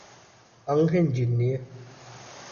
އަންހެން ޖިންނިއެއް